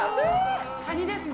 カニですね。